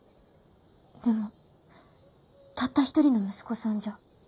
でもたった一人の息子さんじゃ。